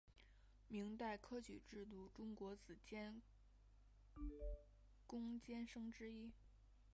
明代科举制度中国子监贡监生之一。